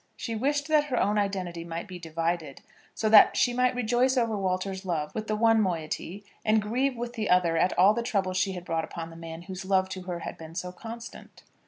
She wished that her own identity might be divided, so that she might rejoice over Walter's love with the one moiety, and grieve with the other at all the trouble she had brought upon the man whose love to her had been so constant.